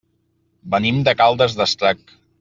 Venim de Caldes d'Estrac.